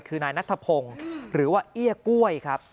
คือนายนัทพงศ์หรือว่าเอี้ยกล้วยครับ